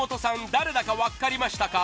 誰だか分かりましたか？